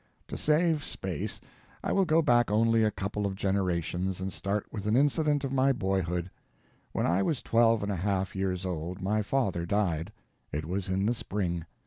To save space I will go back only a couple of generations and start with an incident of my boyhood. When I was twelve and a half years old, my father died. It was in the spring.